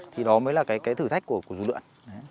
thì đó mới là cái thử thách của dụ lượng